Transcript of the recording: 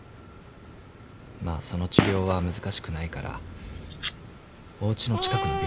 まあその治療は難しくないからおうちの近くの病院で大丈夫なの。